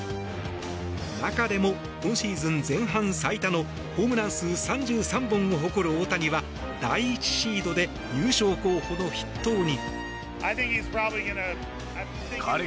中でも今シーズン前半最多のホームラン数３３本を誇る大谷は、第１シードで優勝候補の筆頭に。